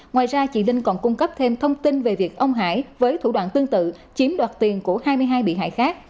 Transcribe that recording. ngoài ra chị linh còn cung cấp thêm thông tin về việc ông hải với thủ đoạn tương tự chiếm đoạt tiền của hai mươi hai bị hại khác